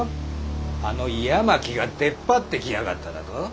あの八巻が出っ張ってきやがっただと？